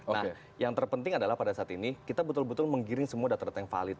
nah yang terpenting adalah pada saat ini kita betul betul menggiring semua data data yang valid